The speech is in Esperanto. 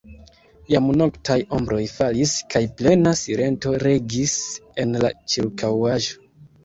Jam noktaj ombroj falis, kaj plena silento regis en la ĉirkaŭaĵo.